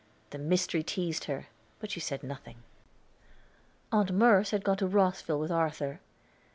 The mystery teased her, but she said nothing. Aunt Merce had gone to Rosville with Arthur.